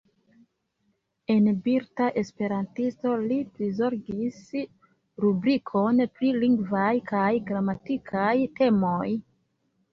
En Brita Esperantisto li prizorgis rubrikon pri lingvaj kaj gramatikaj temoj.